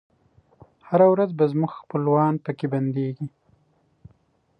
هره ورځ به زموږ خپلوان پکښي بندیږی